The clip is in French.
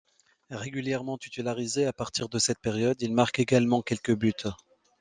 Régulièrement titularisé à partir de cette période, il marque également quelques buts.